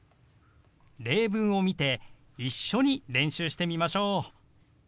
例文を見て一緒に練習してみましょう。